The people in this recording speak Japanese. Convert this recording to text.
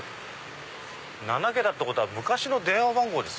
７桁ってことは昔の電話番号。